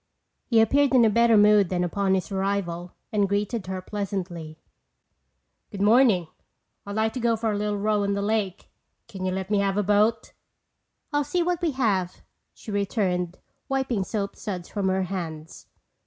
He appeared in a better mood than upon his arrival and greeted her pleasantly. "Good morning. I'd like to go for a little row on the lake. Can you let me have a boat?" "I'll see what we have," she returned, wiping soap suds from her hands.